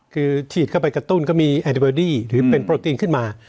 คือฉีดเข้าไปกระตุ้นก็มีไอเดเบอร์ดี้หรือเป็นโปรตีนขึ้นมา